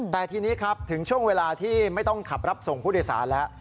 แต่ทีนี้ครับถึงช่วงเวลาที่ไม่ต้องขับรับส่งผู้โดยสารแล้ว